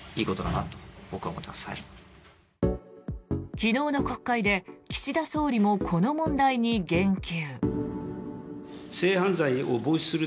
昨日の国会で、岸田総理もこの問題に言及。